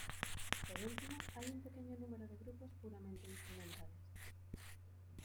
Por último, hay un pequeño número de grupos puramente instrumentales.